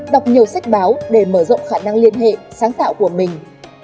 đọc nhiều sách báo để mở rộng khả năng liên hệ sáng tạo của mình